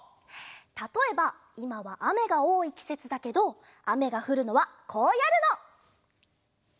たとえばいまはあめがおおいきせつだけどあめがふるのはこうやるの。